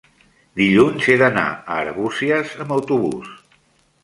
dilluns he d'anar a Arbúcies amb autobús.